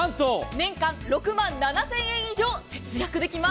年間６万７０００円以上節約できます。